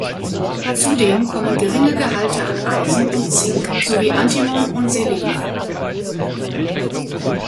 Zudem kommen geringe Gehalte an Eisen und Zink sowie Antimon und Selen vor.